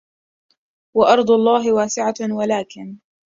وأرض الله واسعة ولكن